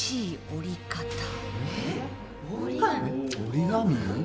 折り紙？